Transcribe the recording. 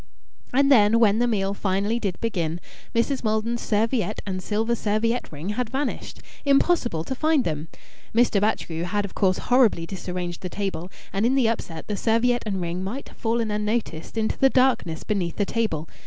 And then, when the meal finally did begin Mrs. Maldon's serviette and silver serviette ring had vanished. Impossible to find them! Mr. Batchgrew had of course horribly disarranged the table, and in the upset the serviette and ring might have fallen unnoticed into the darkness beneath the table.